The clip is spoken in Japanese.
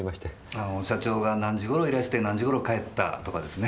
あの社長が何時頃いらして何時頃帰ったとかですね。